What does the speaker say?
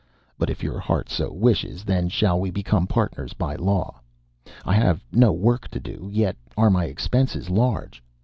"But if your heart so wishes, then shall we become partners by the law. I have no work to do, yet are my expenses large.